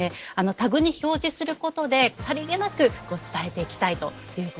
タグに表示することでさりげなく伝えていきたいということなんですね。